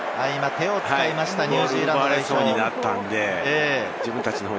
手を使いました、ニュージーランド代表。